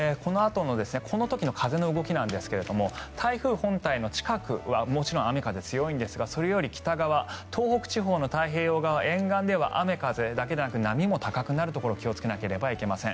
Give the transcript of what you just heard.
この時の風の動きなんですが台風本体の近くはもちろん雨、風が強いですがそれより北側東北地方の太平洋側沿岸では雨、風だけでなくて波も高くなるところ気をつけなければいけません。